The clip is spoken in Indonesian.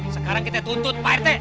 sekarang kita tuntut pak rt